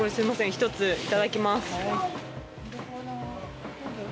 １ついただきます。